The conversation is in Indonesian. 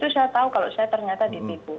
dari situ saya tahu kalau saya ternyata ditipu